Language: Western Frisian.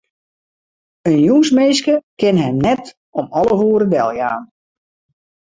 In jûnsminske kin him net om alve oere deljaan.